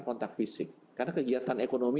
kontak fisik karena kegiatan ekonomi